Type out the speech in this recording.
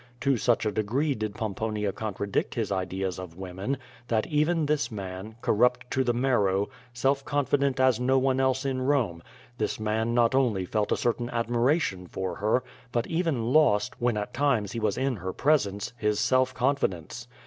To such a degree did Pomponia contradict his ideas of wo men, that even this man, corrupt to the marrow, self confi dent as no one else in Borne — ^this man not only felt a cer tain admiration for her, but even lost, when at times he was in her presence, his self confidence.